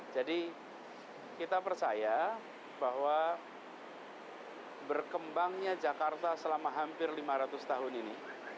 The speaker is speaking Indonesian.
jadi kita percaya bahwa berkembangnya jakarta selama hampir lima ratus tahun ini